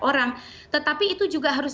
orang tetapi itu juga harus